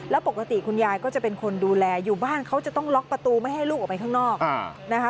แล้วปกติคุณยายก็จะเป็นคนดูแลอยู่บ้านเขาจะต้องล็อกประตูไม่ให้ลูกออกไปข้างนอกนะคะ